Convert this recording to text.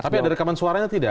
tapi ada rekaman suaranya tidak